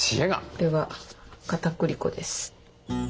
これはかたくり粉です。